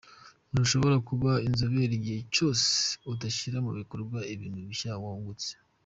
Ntushobora kuba inzobere igihe cyose udashyira mu bikorwa ibintu bishya wungutse.